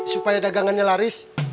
supaya dagangannya laris